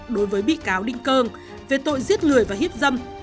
đối với bị cáo đinh cơ về tội giết người và hiếp dâm